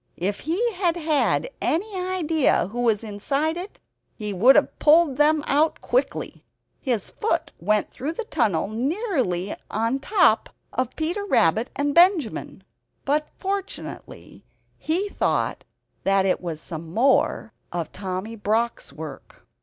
If he had had any idea who was inside it he would have pulled them out quickly. His foot went through the tunnel nearly upon the top of Peter Rabbit and Benjamin; but, fortunately, he thought that it was some more of Tommy Brock's work.